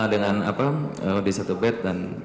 dengan apa di satu bed dan